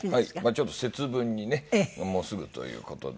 ちょっと節分にねもうすぐという事で。